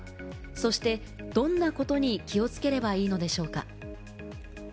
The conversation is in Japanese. そして、どんなことに気をつければいいのでしょうか？